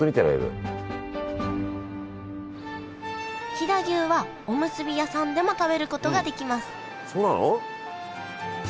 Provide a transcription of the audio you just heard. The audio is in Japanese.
飛騨牛はおむすび屋さんでも食べることができますそうなの？